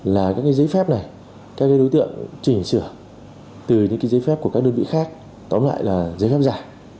là các cái giấy phép này các đối tượng chỉnh sửa từ những cái giấy phép của các đơn vị khác tóm lại là giấy phép giả